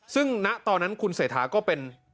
ซึ่งณตอนนั้นคุณเศรษฐาก็เป็น